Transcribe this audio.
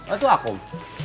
ada tuh akum